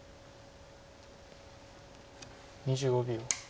２５秒。